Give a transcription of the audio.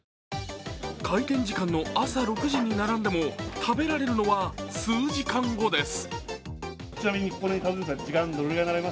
開店時間の朝６時に並んでも食べられるのは数時間後です。